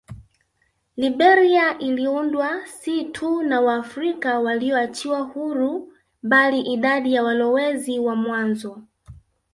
Liberia iliundwa si tu na Waafrika walioachiwa huru bali idadi ya walowezi wa mwanzo